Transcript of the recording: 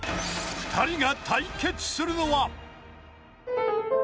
［２人が対決するのは］